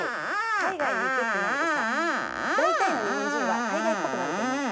海外に行くってなるとさ大体の日本人は海外っぽくなると思うのよ。